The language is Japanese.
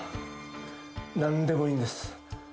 なんでもいいんです。